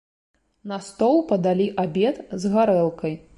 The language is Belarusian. На стол падалі абед з гарэлкай.